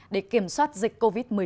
để kiểm soát dịch covid một mươi chín